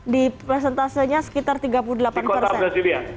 di presentasenya sekitar tiga puluh delapan persen